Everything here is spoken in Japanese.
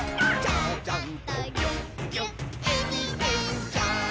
「ちゃちゃんとぎゅっぎゅっえびてんちゃん」